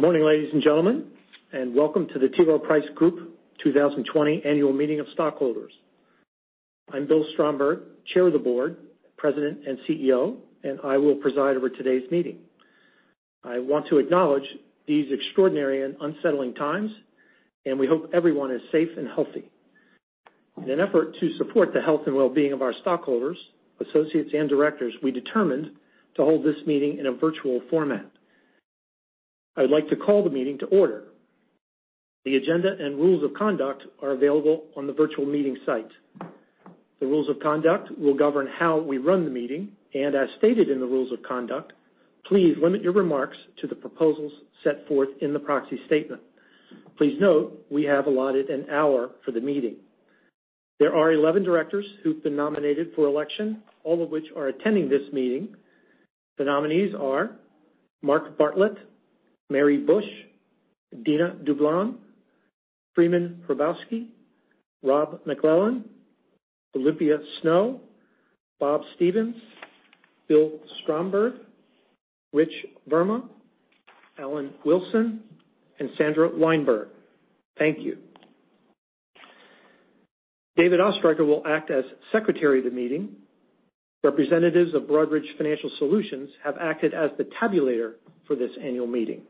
Good morning, ladies and gentlemen, and welcome to the T. Rowe Price Group 2020 Annual Meeting of Stockholders. I'm Bill Stromberg, Chair of the Board, President, and CEO, and I will preside over today's meeting. I want to acknowledge these extraordinary and unsettling times, and we hope everyone is safe and healthy. In an effort to support the health and well-being of our stockholders, associates, and directors, we determined to hold this meeting in a virtual format. I would like to call the meeting to order. The agenda and rules of conduct are available on the virtual meeting site. The rules of conduct will govern how we run the meeting, and as stated in the rules of conduct, please limit your remarks to the proposals set forth in the proxy statement. Please note we have allotted an hour for the meeting. There are 11 directors who've been nominated for election, all of which are attending this meeting. The nominees are Mark Bartlett, Mary Bush, Dina Dublon, Freeman Hrabowski, Rob MacLellan, Olympia Snowe, Bob Stevens, Bill Stromberg, Rich Verma, Alan Wilson, and Sandra Wijnberg. Thank you. David Oestreicher will act as secretary of the meeting. Representatives of Broadridge Financial Solutions have acted as the tabulator for this annual meeting.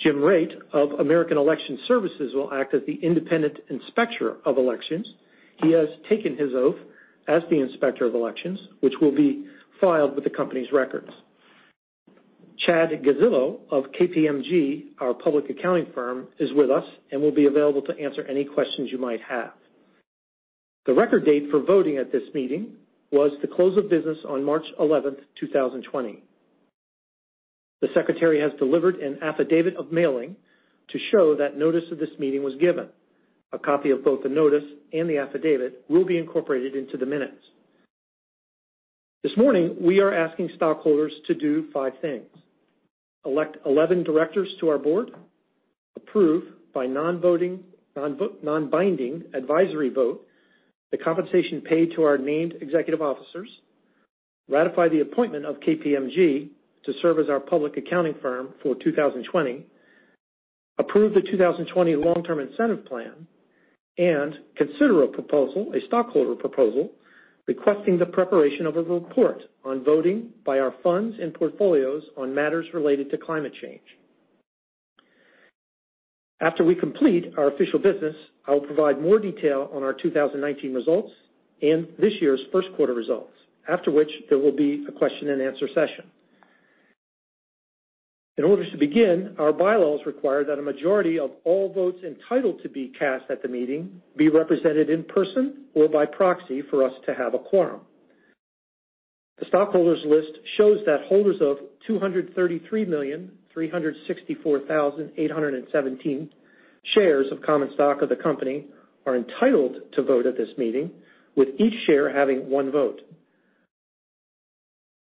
Jim Raitt of American Election Services will act as the independent inspector of elections. He has taken his oath as the inspector of elections, which will be filed with the company's records. Chad Gazzillo of KPMG, our public accounting firm, is with us and will be available to answer any questions you might have. The record date for voting at this meeting was the close of business on March 11, 2020. The secretary has delivered an affidavit of mailing to show that notice of this meeting was given. A copy of both the notice and the affidavit will be incorporated into the minutes. This morning, we are asking stockholders to do five things. Elect 11 directors to our board. Approve by non-binding advisory vote the compensation paid to our named executive officers. Ratify the appointment of KPMG to serve as our public accounting firm for 2020. Approve the 2020 long-term incentive plan. Consider a stockholder proposal requesting the preparation of a report on voting by our funds and portfolios on matters related to climate change. After we complete our official business, I will provide more detail on our 2019 results and this year's first quarter results. After which, there will be a question and answer session. In order to begin, our bylaws require that a majority of all votes entitled to be cast at the meeting be represented in person or by proxy for us to have a quorum. The stockholders' list shows that holders of 233,364,817 shares of common stock of the company are entitled to vote at this meeting, with each share having one vote.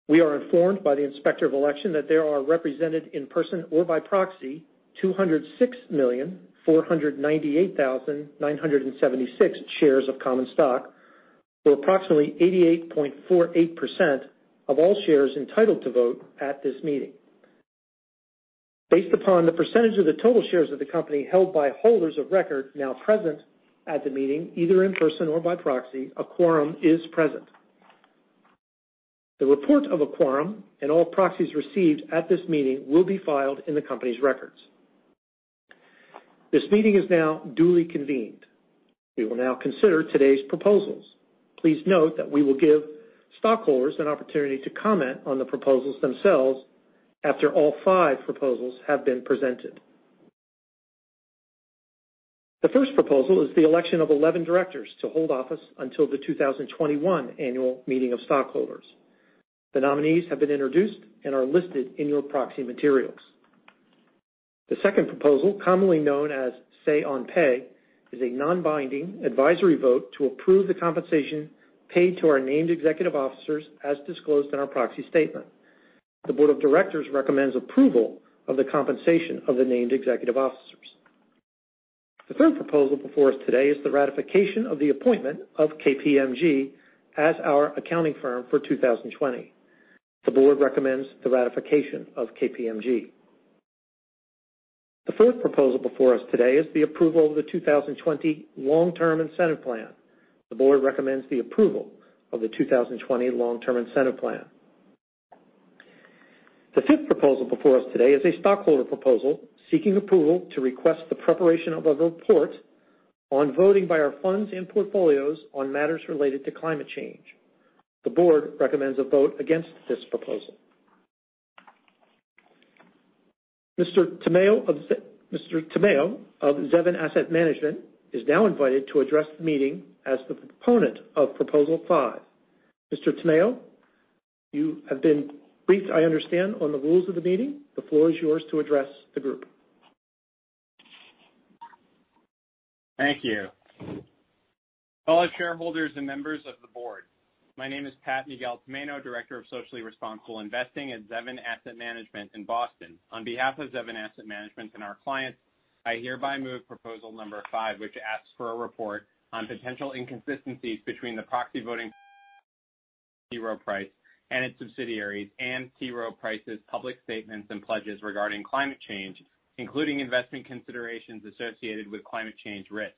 We are informed by the inspector of election that there are represented in person or by proxy 206,498,976 shares of common stock, or approximately 88.48% of all shares entitled to vote at this meeting. Based upon the percentage of the total shares of the company held by holders of record now present at the meeting, either in person or by proxy, a quorum is present. The report of a quorum and all proxies received at this meeting will be filed in the company's records. This meeting is now duly convened. We will now consider today's proposals. Please note that we will give stockholders an opportunity to comment on the proposals themselves after all five proposals have been presented. The first proposal is the election of 11 directors to hold office until the 2021 annual meeting of stockholders. The nominees have been introduced and are listed in your proxy materials. The second proposal, commonly known as Say on Pay, is a non-binding advisory vote to approve the compensation paid to our named executive officers as disclosed in our proxy statement. The board of directors recommends approval of the compensation of the named executive officers. The third proposal before us today is the ratification of the appointment of KPMG as our accounting firm for 2020. The board recommends the ratification of KPMG. The fourth proposal before us today is the approval of the 2020 long-term incentive plan. The board recommends the approval of the 2020 long-term incentive plan. The fifth proposal before us today is a stockholder proposal seeking approval to request the preparation of a report on voting by our funds and portfolios on matters related to climate change. The board recommends a vote against this proposal. Mr. Tomaino of Zevin Asset Management is now invited to address the meeting as the proponent of proposal five. Mr. Tomaino, you have been briefed, I understand, on the rules of the meeting. The floor is yours to address the group. Thank you. Hello, shareholders and members of the board. My name is Pat Miguel Tomaino, Director of Socially Responsible Investing at Zevin Asset Management in Boston. On behalf of Zevin Asset Management and our clients, I hereby move proposal number five, which asks for a report on potential inconsistencies between the proxy voting-T. Rowe Price and its subsidiaries, and T. Rowe Price's public statements and pledges regarding climate change, including investment considerations associated with climate change risk.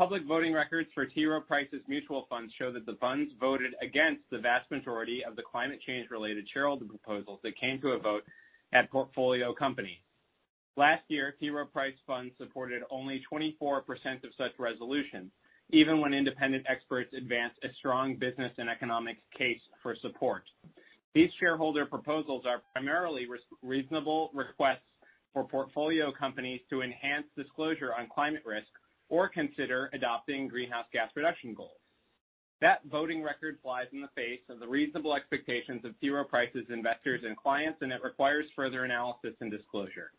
Public voting records for T. Rowe Price's mutual funds show that the funds voted against the vast majority of the climate change-related shareholder proposals that came to a vote at portfolio companies. Last year, T. Rowe Price funds supported only 24% of such resolutions, even when independent experts advanced a strong business and economic case for support. These shareholder proposals are primarily reasonable requests for portfolio companies to enhance disclosure on climate risk or consider adopting greenhouse gas reduction goals. That voting record flies in the face of the reasonable expectations of T. Rowe Price's investors and clients. It requires further analysis and disclosure.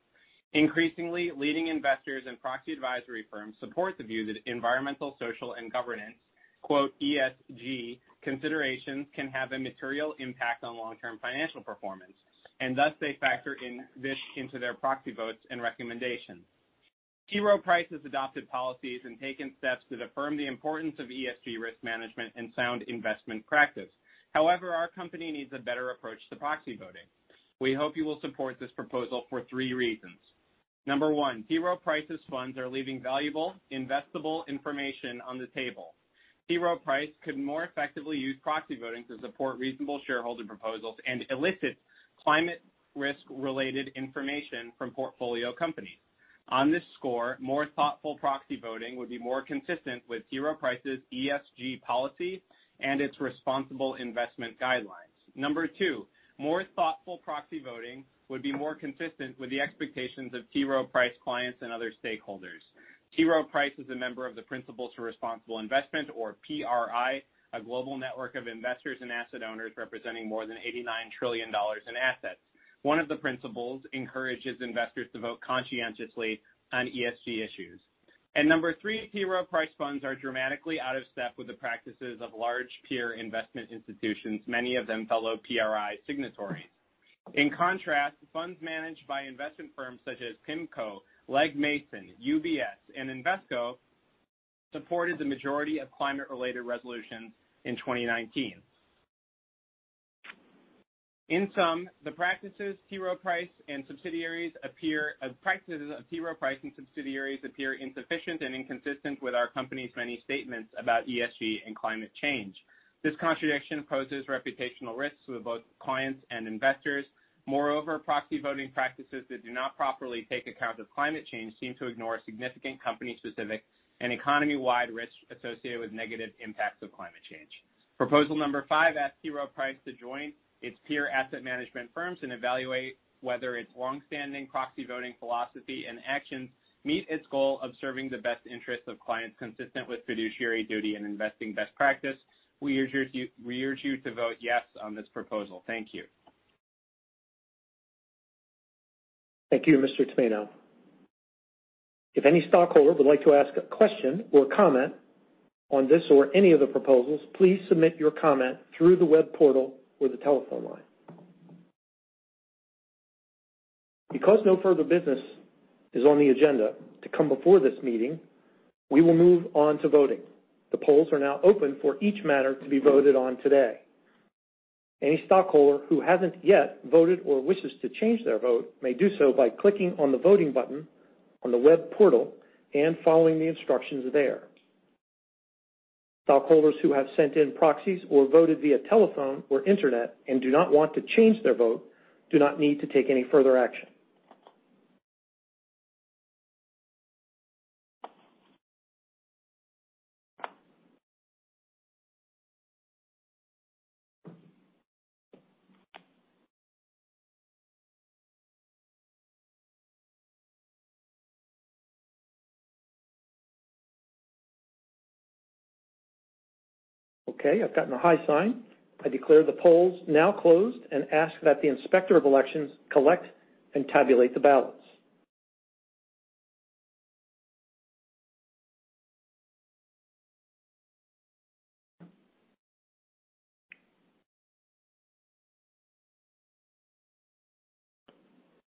Increasingly, leading investors and proxy advisory firms support the view that environmental, social, and governance, quote, "ESG considerations can have a material impact on long-term financial performance, and thus they factor this into their proxy votes and recommendations." T. Rowe Price has adopted policies and taken steps that affirm the importance of ESG risk management and sound investment practice. However, our company needs a better approach to proxy voting. We hope you will support this proposal for three reasons. Number one, T. Rowe Price's funds are leaving valuable, investable information on the table. T. Rowe Price could more effectively use proxy voting to support reasonable shareholder proposals and elicit climate risk-related information from portfolio companies. On this score, more thoughtful proxy voting would be more consistent with T. Rowe Price's ESG policy and its responsible investment guidelines. Number two, more thoughtful proxy voting would be more consistent with the expectations of T. Rowe Price clients and other stakeholders. T. Rowe Price is a member of the Principles for Responsible Investment, or PRI, a global network of investors and asset owners representing more than $89 trillion in assets. One of the principles encourages investors to vote conscientiously on ESG issues. Number three, T. Rowe Price funds are dramatically out of step with the practices of large peer investment institutions, many of them fellow PRI signatories. In contrast, funds managed by investment firms such as PIMCO, Legg Mason, UBS, and Invesco supported the majority of climate-related resolutions in 2019. In sum, the practices of T. Rowe Price and subsidiaries appear insufficient and inconsistent with our company's many statements about ESG and climate change. This contradiction poses reputational risks with both clients and investors. Moreover, proxy voting practices that do not properly take account of climate change seem to ignore significant company-specific and economy-wide risks associated with negative impacts of climate change. Proposal number five asks T. Rowe Price to join its peer asset management firms and evaluate whether its longstanding proxy voting philosophy and actions meet its goal of serving the best interests of clients consistent with fiduciary duty and investing best practice. We urge you to vote yes on this proposal. Thank you. Thank you, Mr. Tomaino. If any stockholder would like to ask a question or comment on this or any of the proposals, please submit your comment through the web portal or the telephone line. No further business is on the agenda to come before this meeting, we will move on to voting. The polls are now open for each matter to be voted on today. Any stockholder who hasn't yet voted or wishes to change their vote may do so by clicking on the voting button on the web portal and following the instructions there. Stockholders who have sent in proxies or voted via telephone or internet and do not want to change their vote do not need to take any further action. Okay, I've gotten a high sign. I declare the polls now closed and ask that the Inspector of Elections collect and tabulate the ballots.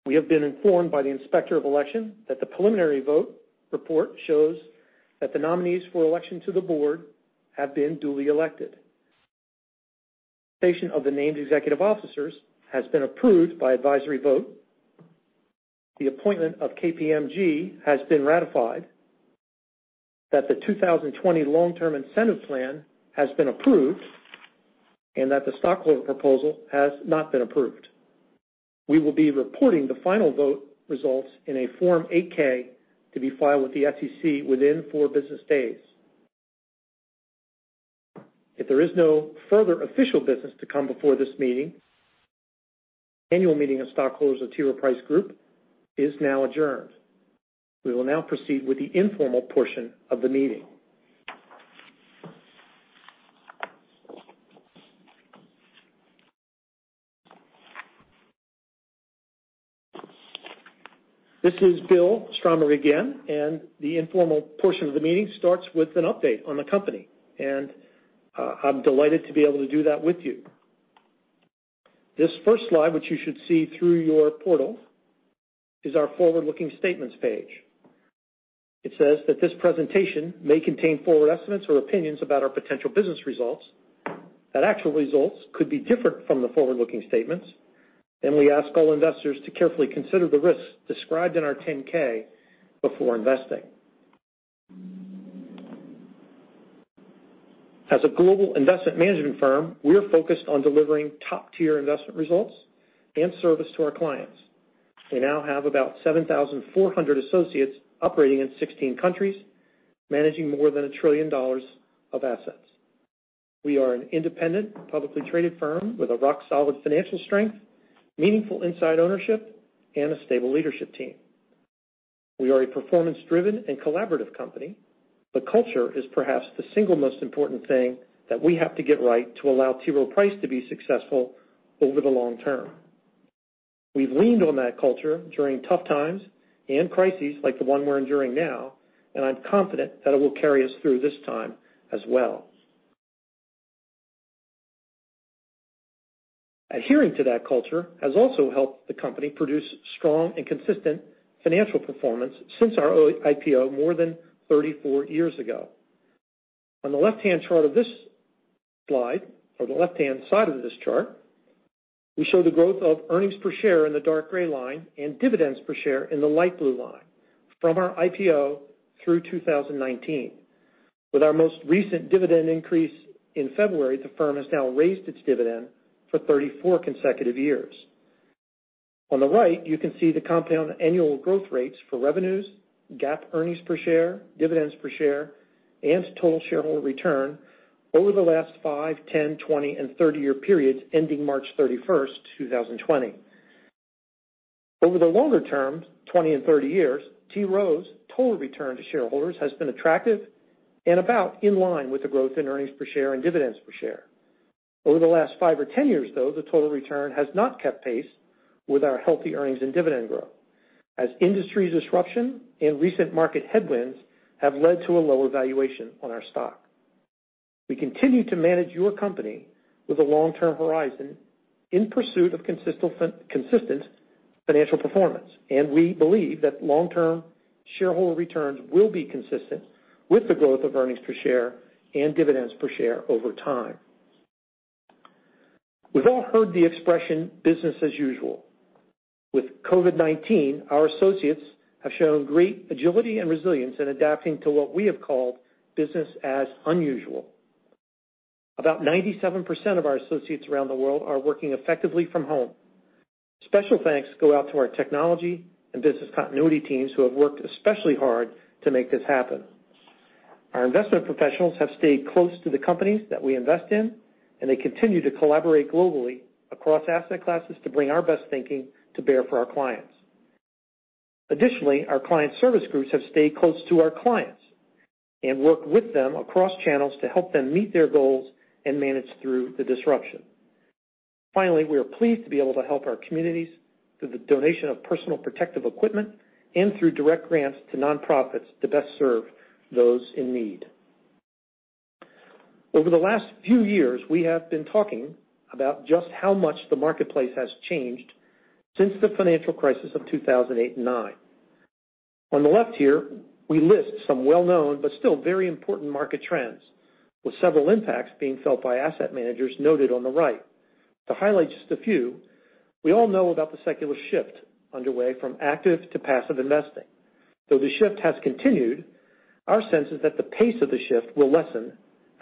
We have been informed by the Inspector of Election that the preliminary vote report shows that the nominees for election to the board have been duly elected. Say on Pay of the named executive officers has been approved by advisory vote, the appointment of KPMG has been ratified, that the 2020 long-term incentive plan has been approved, and that the stockholder proposal has not been approved. We will be reporting the final vote results in a Form 8-K to be filed with the SEC within four business days. If there is no further official business to come before this meeting, annual meeting of stockholders of T. Rowe Price Group is now adjourned. We will now proceed with the informal portion of the meeting. This is Bill Stromberg again. The informal portion of the meeting starts with an update on the company. I'm delighted to be able to do that with you. This first slide, which you should see through your portal, is our forward-looking statements page. It says that this presentation may contain forward estimates or opinions about our potential business results, that actual results could be different from the forward-looking statements. We ask all investors to carefully consider the risks described in our 10-K before investing. As a global investment management firm, we are focused on delivering top-tier investment results and service to our clients. We now have about 7,400 associates operating in 16 countries, managing more than $1 trillion of assets. We are an independent, publicly traded firm with a rock-solid financial strength, meaningful inside ownership, and a stable leadership team. We are a performance-driven and collaborative company. Culture is perhaps the single most important thing that we have to get right to allow T. Rowe Price to be successful over the long term. We've leaned on that culture during tough times and crises like the one we're enduring now. I'm confident that it will carry us through this time as well. Adhering to that culture has also helped the company produce strong and consistent financial performance since our IPO more than 34 years ago. On the left-hand chart of this slide, or the left-hand side of this chart, we show the growth of earnings per share in the dark gray line and dividends per share in the light blue line from our IPO through 2019. With our most recent dividend increase in February, the firm has now raised its dividend for 34 consecutive years. On the right, you can see the compound annual growth rates for revenues, GAAP earnings per share, dividends per share, and total shareholder return over the last five, 10, 20, and 30 year periods ending March 31st, 2020. Over the longer term, 20 and 30 years, T. Rowe's total return to shareholders has been attractive and about in line with the growth in earnings per share and dividends per share. Over the last five or 10 years, though, the total return has not kept pace with our healthy earnings and dividend growth, as industry disruption and recent market headwinds have led to a lower valuation on our stock. We continue to manage your company with a long-term horizon in pursuit of consistent financial performance, and we believe that long-term shareholder returns will be consistent with the growth of earnings per share and dividends per share over time. We've all heard the expression, business as usual. With COVID-19, our associates have shown great agility and resilience in adapting to what we have called business as unusual. About 97% of our associates around the world are working effectively from home. Special thanks go out to our technology and business continuity teams who have worked especially hard to make this happen. Our investment professionals have stayed close to the companies that we invest in, and they continue to collaborate globally across asset classes to bring our best thinking to bear for our clients. Additionally, our client service groups have stayed close to our clients and worked with them across channels to help them meet their goals and manage through the disruption. Finally, we are pleased to be able to help our communities through the donation of personal protective equipment and through direct grants to nonprofits to best serve those in need. Over the last few years, we have been talking about just how much the marketplace has changed since the financial crisis of 2008 and 2009. On the left here, we list some well-known but still very important market trends, with several impacts being felt by asset managers noted on the right. To highlight just a few, we all know about the secular shift underway from active to passive investing. Though the shift has continued, our sense is that the pace of the shift will lessen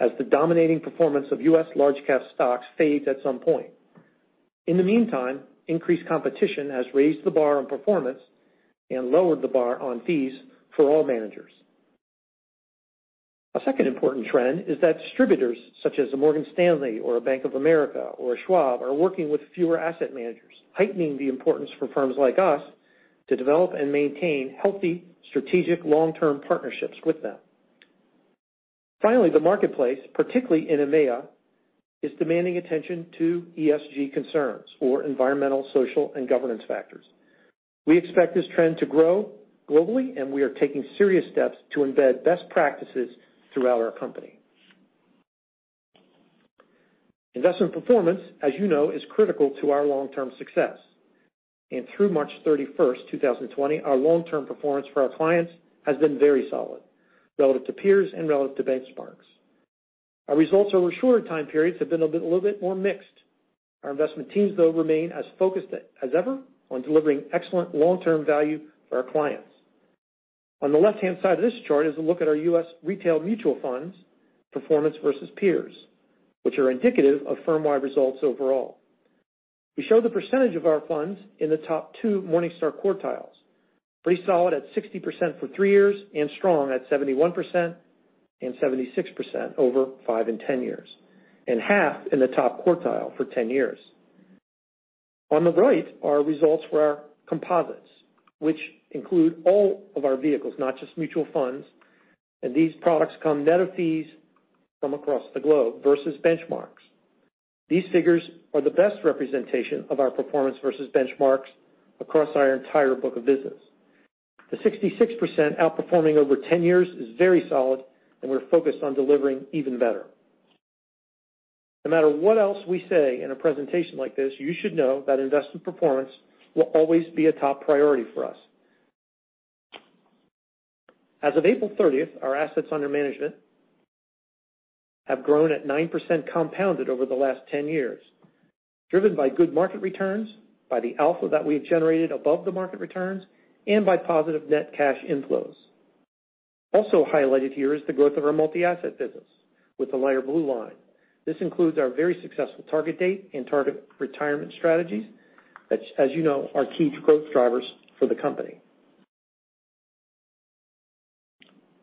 as the dominating performance of U.S. large cap stocks fades at some point. In the meantime, increased competition has raised the bar on performance and lowered the bar on fees for all managers. A second important trend is that distributors such as a Morgan Stanley or a Bank of America or a Schwab are working with fewer asset managers, heightening the importance for firms like us to develop and maintain healthy, strategic, long-term partnerships with them. Finally, the marketplace, particularly in EMEA, is demanding attention to ESG concerns or environmental, social, and governance factors. We expect this trend to grow globally, and we are taking serious steps to embed best practices throughout our company. Investment performance, as you know, is critical to our long-term success. Through March 31st, 2020, our long-term performance for our clients has been very solid, relative to peers and relative to benchmarks. Our results over shorter time periods have been a little bit more mixed. Our investment teams, though, remain as focused as ever on delivering excellent long-term value for our clients. On the left-hand side of this chart is a look at our U.S. retail mutual funds' performance versus peers, which are indicative of firm-wide results overall. We show the percentage of our funds in the top two Morningstar quartiles. Pretty solid at 60% for three years and strong at 71% and 76% over five and 10 years. 1/2 in the top quartile for 10 years. On the right are results for our composites, which include all of our vehicles, not just mutual funds. These products come net of fees from across the globe versus benchmarks. These figures are the best representation of our performance versus benchmarks across our entire book of business. The 66% outperforming over 10 years is very solid, and we're focused on delivering even better. No matter what else we say in a presentation like this, you should know that investment performance will always be a top priority for us. As of April 30th, our assets under management have grown at 9% compounded over the last 10 years, driven by good market returns, by the alpha that we've generated above the market returns, and by positive net cash inflows. Also highlighted here is the growth of our multi-asset business with the lighter blue line. This includes our very successful target date and target retirement strategies which, as you know, are key growth drivers for the company.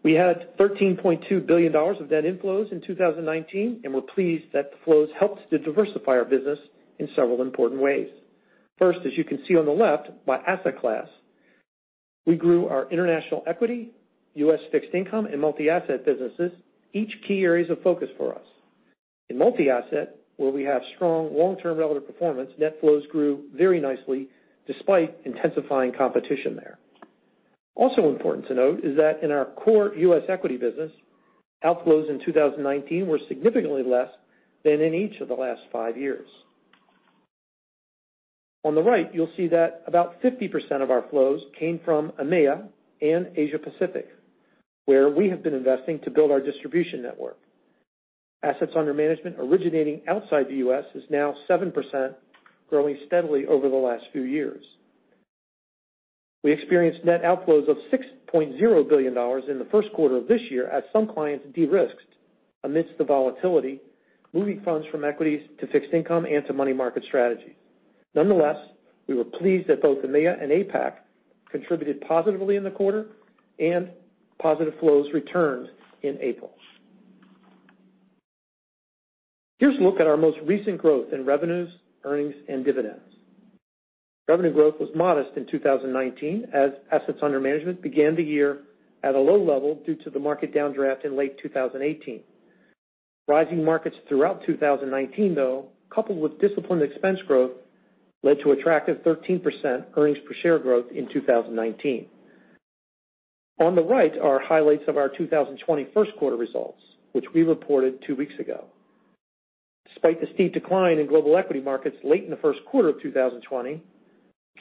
We had $13.2 billion of net inflows in 2019, and we're pleased that the flows helped to diversify our business in several important ways. First, as you can see on the left, by asset class, we grew our international equity, U.S. fixed income, and multi-asset businesses, each key areas of focus for us. In multi-asset, where we have strong long-term relative performance, net flows grew very nicely despite intensifying competition there. Also important to note is that in our core U.S. equity business, outflows in 2019 were significantly less than in each of the last five years. On the right, you'll see that about 50% of our flows came from EMEA and Asia Pacific, where we have been investing to build our distribution network. Assets under management originating outside the U.S. is now 7%, growing steadily over the last few years. We experienced net outflows of $6.0 billion in the first quarter of this year as some clients de-risked amidst the volatility, moving funds from equities to fixed income and to money market strategies. Nonetheless, we were pleased that both EMEA and APAC contributed positively in the quarter, and positive flows returned in April. Here's a look at our most recent growth in revenues, earnings, and dividends. Revenue growth was modest in 2019 as assets under management began the year at a low level due to the market downdraft in late 2018. Rising markets throughout 2019, though, coupled with disciplined expense growth, led to attractive 13% earnings per share growth in 2019. On the right are highlights of our 2020 first quarter results, which we reported two weeks ago. Despite the steep decline in global equity markets late in the first quarter of 2020,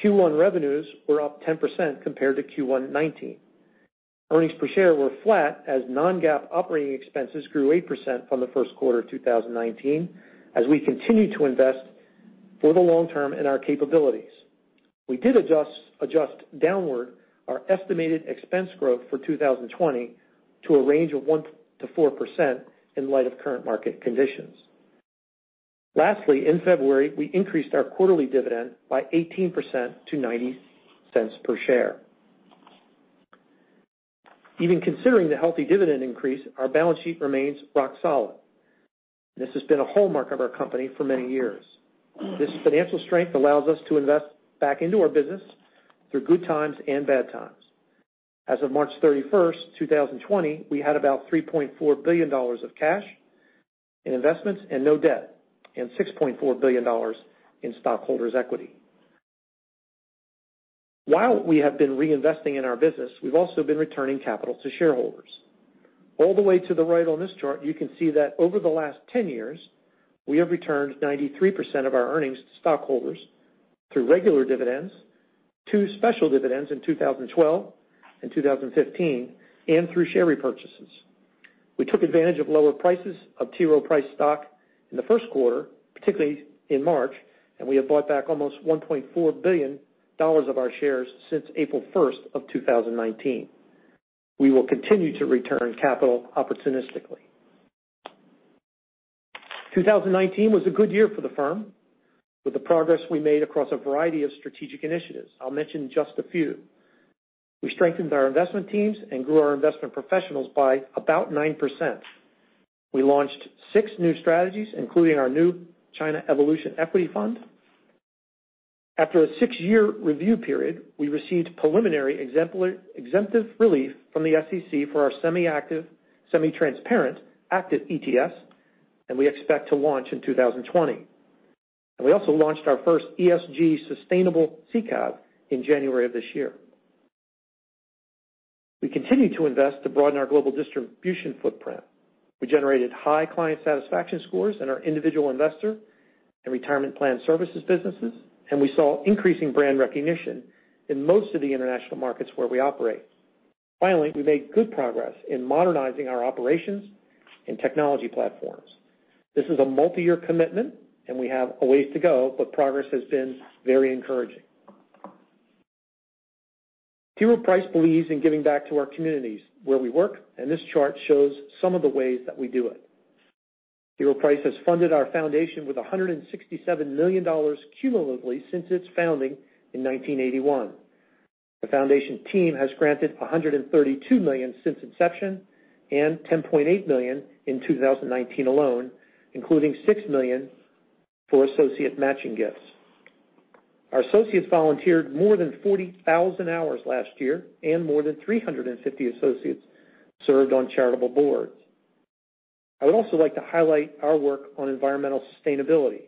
Q1 revenues were up 10% compared to Q1 2019. Earnings per share were flat as non-GAAP operating expenses grew 8% from the first quarter of 2019 as we continued to invest for the long term in our capabilities. We did adjust downward our estimated expense growth for 2020 to a range of 1%-4% in light of current market conditions. Lastly, in February, we increased our quarterly dividend by 18% to $0.90 per share. Even considering the healthy dividend increase, our balance sheet remains rock solid. This has been a hallmark of our company for many years. This financial strength allows us to invest back into our business through good times and bad times. As of March 31st, 2020, we had about $3.4 billion of cash in investments and no debt, and $6.4 billion in stockholders' equity. While we have been reinvesting in our business, we've also been returning capital to shareholders. All the way to the right on this chart, you can see that over the last 10 years, we have returned 93% of our earnings to stockholders through regular dividends, two special dividends in 2012 and 2015, and through share repurchases. We took advantage of lower prices of T. Rowe Price stock in the first quarter, particularly in March, we have bought back almost $1.4 billion of our shares since April 1st of 2019. We will continue to return capital opportunistically. 2019 was a good year for the firm, with the progress we made across a variety of strategic initiatives. I'll mention just a few. We strengthened our investment teams; we grew our investment professionals by about 9%. We launched six new strategies, including our new China Evolution Equity Fund. After a six-year review period, we received preliminary exemptive relief from the SEC for our semi-active, semi-transparent Active ETFs, and we expect to launch in 2020. We also launched our first ESG sustainable CCAP in January of this year. We continue to invest to broaden our global distribution footprint. We generated high client satisfaction scores in our individual investor and retirement plan services businesses, and we saw increasing brand recognition in most of the international markets where we operate. Finally, we made good progress in modernizing our operations and technology platforms. This is a multi-year commitment, and we have a way to go, but progress has been very encouraging. T. Rowe Price believes in giving back to our communities where we work, and this chart shows some of the ways that we do it. Rowe Price has funded our foundation with $167 million cumulatively since its founding in 1981. The foundation team has granted $132 million since inception and $10.8 million in 2019 alone, including $6 million for associate matching gifts. Our associates volunteered more than 40,000 hours last year and more than 350 associates served on charitable boards. I would also like to highlight our work on environmental sustainability,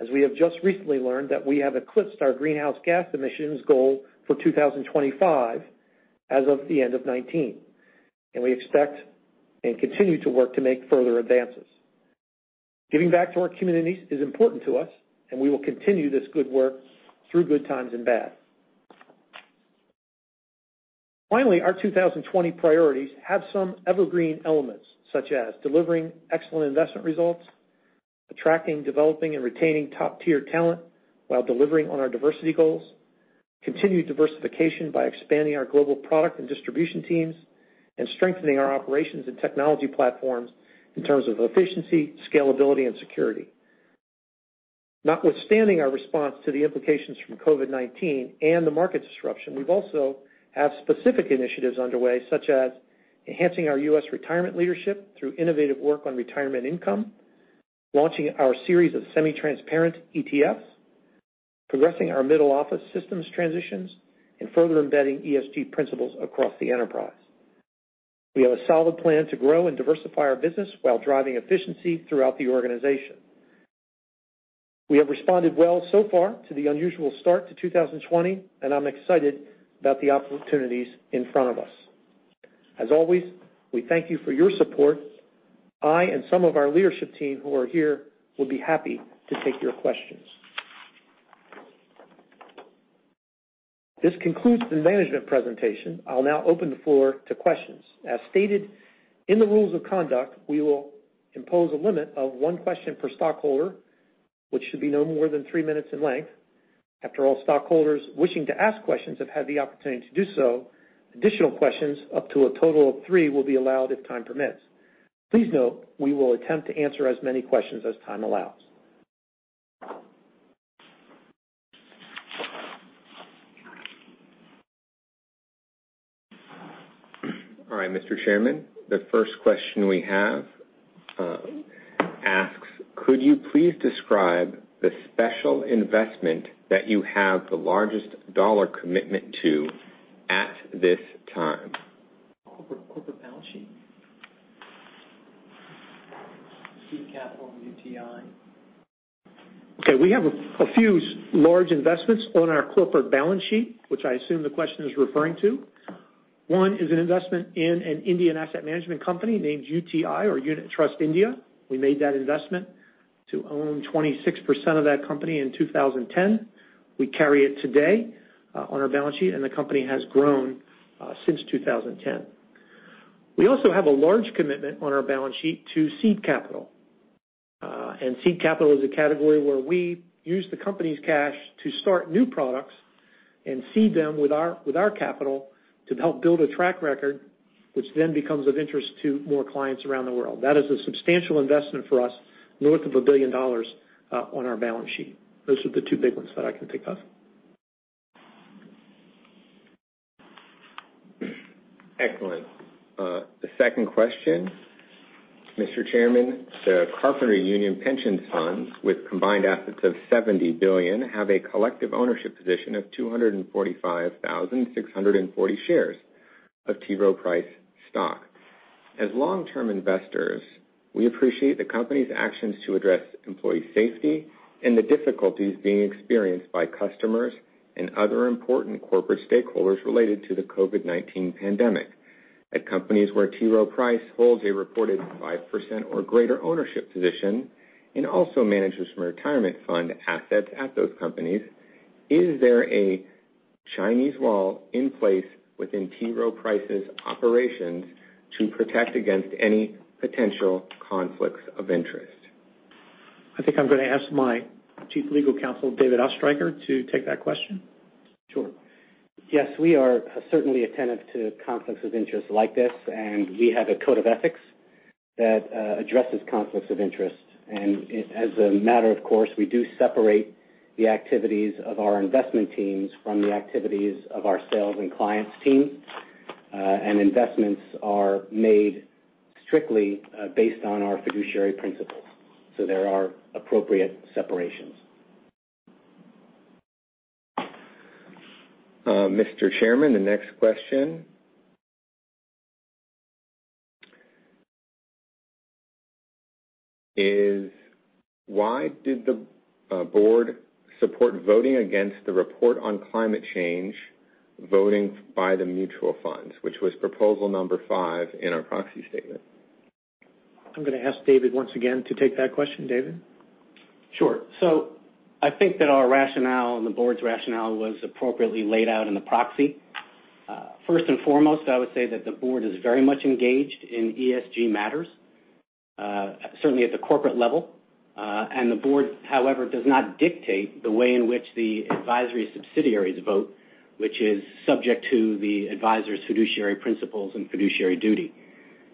as we have just recently learned that we have eclipsed our greenhouse gas emissions goal for 2025 as of the end of 2019. We expect and continue to work to make further advances. Giving back to our communities is important to us, and we will continue this good work through good times and bad. Finally, our 2020 priorities have some evergreen elements, such as delivering excellent investment results; attracting, developing, and retaining top-tier talent while delivering on our diversity goals; continued diversification by expanding our global product and distribution teams; and strengthening our operations and technology platforms in terms of efficiency, scalability, and security. Notwithstanding our response to the implications from COVID-19 and the market disruption, we also have specific initiatives underway, such as enhancing our U.S. retirement leadership through innovative work on retirement income, launching our series of semi-transparent ETFs, progressing our middle office systems transitions, and further embedding ESG principles across the enterprise. We have a solid plan to grow and diversify our business while driving efficiency throughout the organization. We have responded well so far to the unusual start to 2020, and I'm excited about the opportunities in front of us. As always, we thank you for your support. I and some of our leadership team who are here would be happy to take your questions. This concludes the management presentation. I'll now open the floor to questions. As stated in the rules of conduct, we will impose a limit of one question per stockholder, which should be no more than three minutes in length. After all stockholders wishing to ask questions have had the opportunity to do so, additional questions, up to a total of three, will be allowed if time permits. Please note, we will attempt to answer as many questions as time allows. All right, Mr. Chairman, the first question we have asks, could you please describe the special investment that you have the largest dollar commitment to at this time? Corporate balance sheet. Seed capital UTI. Okay, we have a few large investments on our corporate balance sheet, which I assume the question is referring to. One is an investment in an Indian asset management company named UTI, or Unit Trust of India. We made that investment to own 26% of that company in 2010. We carry it today on our balance sheet. The company has grown since 2010. We also have a large commitment on our balance sheet to seed capital. Seed capital is a category where we use the company's cash to start new products and seed them with our capital to help build a track record, which then becomes of interest to more clients around the world. That is a substantial investment for us, north of $1 billion on our balance sheet. Those are the two big ones that I can think of. Excellent. The second question, Mr. Chairman, the Carpenters Union Pension Fund, with combined assets of $70 billion, have a collective ownership position of 245,640 shares of T. Rowe Price stock. As long-term investors, we appreciate the company's actions to address employee safety and the difficulties being experienced by customers and other important corporate stakeholders related to the COVID-19 pandemic. At companies where T. Rowe Price holds a reported 5% or greater ownership position, and also manages retirement fund assets at those companies, is there a Chinese wall in place within T. Rowe Price's operations to protect against any potential conflicts of interest? I think I'm going to ask my Chief Legal Counsel, David Oestreicher, to take that question. Sure. Yes, we are certainly attentive to conflicts of interest like this, and we have a code of ethics that addresses conflicts of interest. As a matter of course, we do separate the activities of our investment teams from the activities of our sales and client's team. Investments are made strictly based on our fiduciary principles. There are appropriate separations. Mr. Chairman, the next question is why did the Board support voting against the report on climate change voting by the mutual funds, which was proposal number five in our proxy statement? I'm going to ask David once again to take that question. David? Sure. I think that our rationale and the board's rationale was appropriately laid out in the proxy. First and foremost, I would say that the board is very much engaged in ESG matters, certainly at the corporate level. The board, however, does not dictate the way in which the advisory subsidiaries vote, which is subject to the advisor's fiduciary principles and fiduciary duty.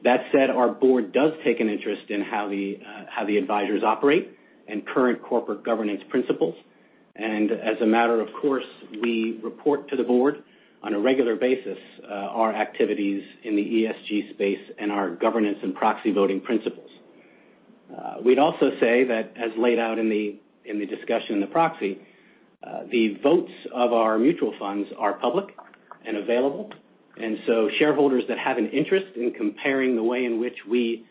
That said, our board does take an interest in how the advisors operate and current corporate governance principles. As a matter of course, we report to the board on a regular basis our activities in the ESG space and our governance and proxy voting principles. We'd also say that as laid out in the discussion in the proxy, the votes of our mutual funds are public and available. Shareholders that have an interest in comparing the way in which we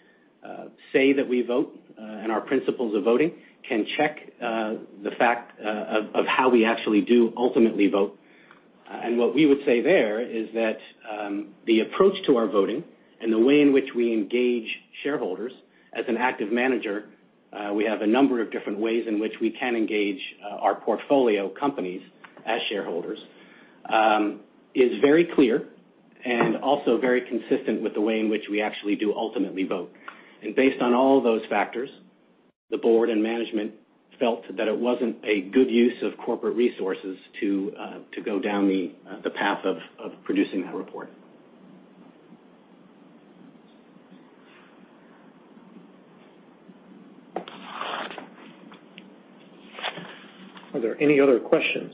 say that we vote, and our principles of voting can check the fact of how we actually do ultimately vote. What we would say there is that the approach to our voting and the way in which we engage shareholders as an active manager, we have a number of different ways in which we can engage our portfolio companies as shareholders, is very clear and also very consistent with the way in which we actually do ultimately vote. Based on all those factors, the board and management felt that it wasn't a good use of corporate resources to go down the path of producing that report. Are there any other questions?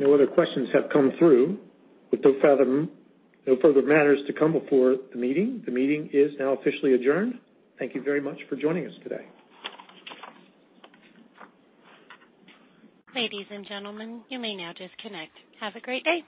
No other questions have come through. With no further matters to come before the meeting, the meeting is now officially adjourned. Thank you very much for joining us today. Ladies and gentlemen, you may now disconnect. Have a great day.